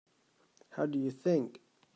How do you think?